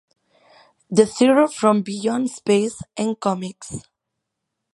The Terror from Beyond Space en còmics.